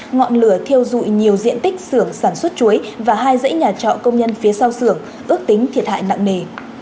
ngọn lửa theo dụi nhiều diện tích sưởng sản xuất chuối và hai dãy nhà trọ công nhân phía sau sưởng ước tính thiệt hại nặng nề